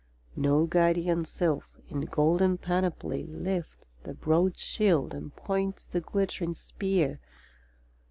No guardian sylph, in golden panoply, Lifts the broad shield, and points the glittering spear.